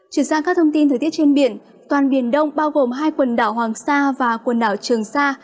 chuyển sang các thông tin thời tiết trên biển toàn biển đông bao gồm hai quần đảo hoàng sa và quần đảo trường sa